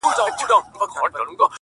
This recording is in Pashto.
هر څوک هڅه کوي تېر هېر کړي خو نه کيږي-